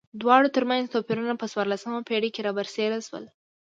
دواړو ترمنځ توپیرونه په څوارلسمه پېړۍ کې را برسېره شول.